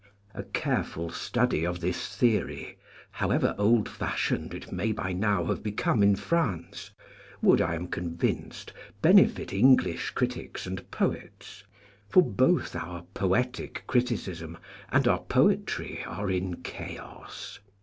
A careful study of this theory, however old fashioned it may by now have become in France, would, I am convinced, benefit English critics and poets, for both our poetic criticism and our poetry are in chaos.